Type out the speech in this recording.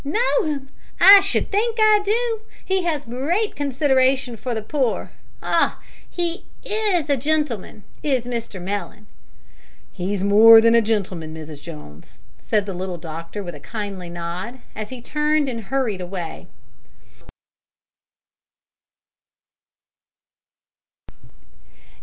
"Know him! I should think I do! He has great consideration for the poor. Ah! he is a gentleman, is Mr Mellon!" "He is more than a gentleman, Mrs Jones," said the little doctor with a kindly nod, as he turned and hurried away.